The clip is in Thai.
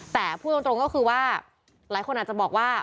แต่พูดตรงก็คือว่าหลายคนอาจจะบอกว่า